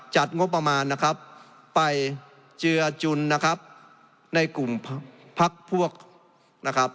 จัดงบประมาณนะครับไปเจือจุนนะครับในกลุ่มพักพวกนะครับ